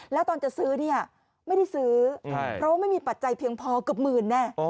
แล้วตอนจะซื้อเนี่ยไม่ได้ซื้อเพราะว่าไม่มีปัจจัยเพียงพอเกือบหมื่นแน่